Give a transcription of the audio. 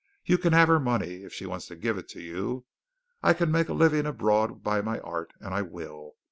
You can have her money, if she wants to give it to you. I can make a living abroad by my art, and I will.